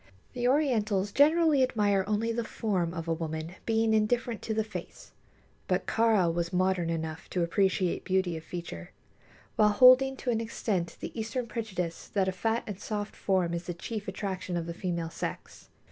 The Orientals generally admire only the form of a woman, being indifferent to the face; but Kāra was modern enough to appreciate beauty of feature, while holding to an extent the Eastern prejudice that a fat and soft form is the chief attraction of the female sex.